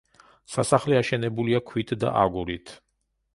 სასახლე აშენებულია ქვით და აგურით.